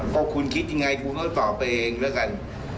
ก็คุณคิดอย่างไรคุณต้องตอบไปเองแล้วกัน